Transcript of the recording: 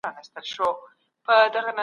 ساده بیان د پوهېدو کچه لوړوي.